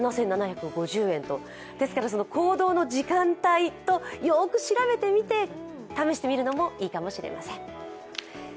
行動の時間帯と、よく調べてみて試してみるのもいいかもしれません。